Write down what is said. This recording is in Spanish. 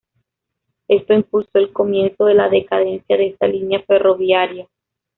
Esto impulsó el comienzo de la decadencia de esta línea ferroviaria.